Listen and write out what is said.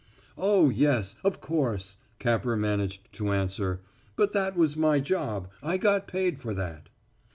"Oh, yes of course," Capper managed to answer. "But that was my job. I got paid for that."